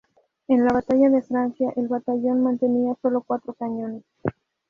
En la Batalla de Francia el batallón mantenía solo cuatro cañones.